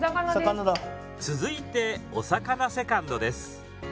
続いてお魚セカンドです。